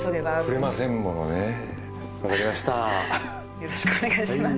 よろしくお願いします。